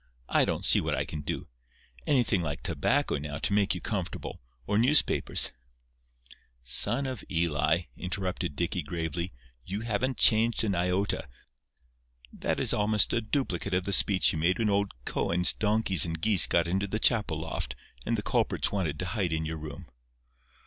I don't see what I can do. Anything like tobacco, now, to make you comfortable—or newspapers—" "Son of Eli," interrupted Dicky, gravely, "you haven't changed an iota. That is almost a duplicate of the speech you made when old Koen's donkeys and geese got into the chapel loft, and the culprits wanted to hide in your room."